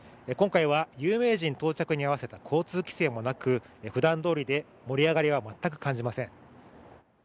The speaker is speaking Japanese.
今回は有名人到着に合わせた交通規制もなくふだんどおりで、盛り上がりは全く感じません。